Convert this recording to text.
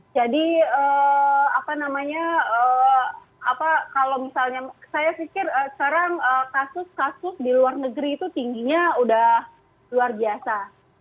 jadi apa namanya apa kalau misalnya saya pikir sekarang kasus kasus di luar negeri itu tingginya sudah luar biasa